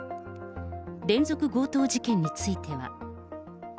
連続強盗事件については。